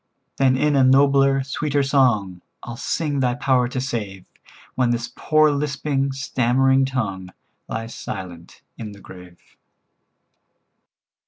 "Then in a nobler, sweeter song, I'll sing Thy power to save, When this poor lisping, stammering tongue Lies silent in the grave."